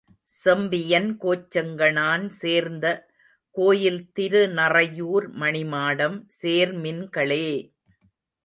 செம்பியன் கோச்செங்கணான் சேர்ந்த கோயில் திருநறையூர் மணிமாடம் சேர்மின்களே!